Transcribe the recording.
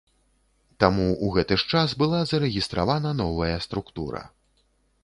Таму ў гэты ж час была зарэгістравана новая структура.